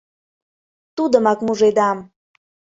Тудымак мужедам.